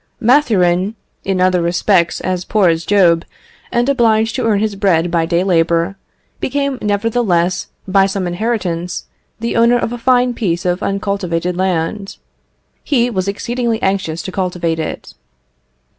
Mathurin, in other respects as poor as Job, and obliged to earn his bread by day labour, became nevertheless, by some inheritance, the owner of a fine piece of uncultivated land. He was exceedingly anxious to cultivate it.